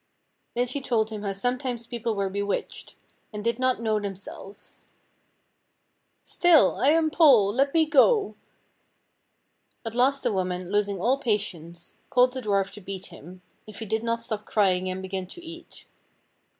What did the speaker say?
Then she told him how sometimes people were bewitched, and did not know themselves. "Still, I am Paul, let me go." At last the woman, losing all patience, called the dwarf to beat him, if he did not stop crying and begin to eat.